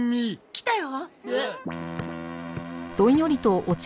来たよ。